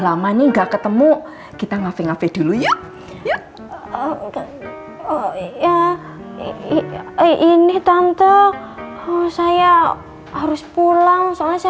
lama nih nggak ketemu kita ngafe ngafe dulu ya ya oh iya ini tante saya harus pulang soalnya